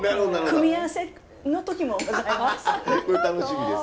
組み合わせの時もございます。